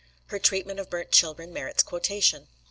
Her treatment of burnt children merits quotation.